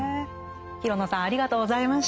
廣野さんありがとうございました。